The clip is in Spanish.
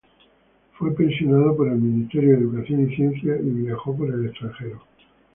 Fue pensionado por el Ministerio de Educación y Ciencia y viajó por el extranjero.